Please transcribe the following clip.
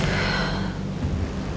di dalam hati kamu